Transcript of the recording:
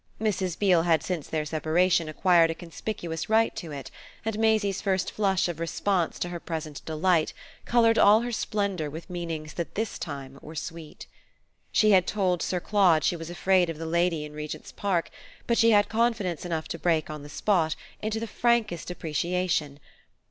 Mrs. Beale had since their separation acquired a conspicuous right to it, and Maisie's first flush of response to her present delight coloured all her splendour with meanings that this time were sweet. She had told Sir Claude she was afraid of the lady in the Regent's Park; but she had confidence enough to break on the spot, into the frankest appreciation.